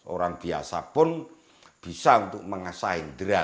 orang biasa pun bisa untuk mengasah indera